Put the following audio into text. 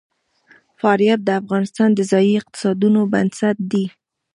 فاریاب د افغانستان د ځایي اقتصادونو بنسټ دی.